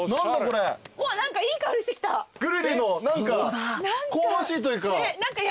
グリルの何か香ばしいというか。